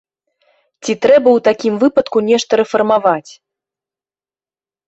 Ці трэба ў такім выпадку нешта рэфармаваць?